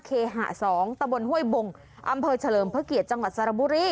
เคหะ๒ตะบนห้วยบงอำเภอเฉลิมพระเกียรติจังหวัดสระบุรี